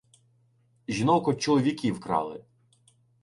Жінок од чоловіків крали